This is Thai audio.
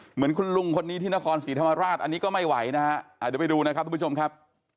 เหมือนคุณลุงคนนี้ที่นครศรีธรรมราชอันนี้ก็ไม่ไหวนะครับ